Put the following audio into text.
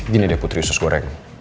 gini deh putri susu goreng